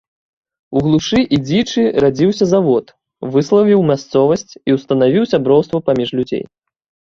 У глушы і дзічы радзіўся завод, выславіў мясцовасць і ўстанавіў сяброўства паміж людзей.